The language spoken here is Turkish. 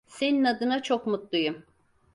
Senin adına çok mutluyum.